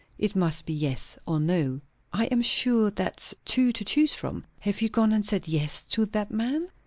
It must be yes or no." "I am sure that's two to choose from. Have you gone and said yes to that man?"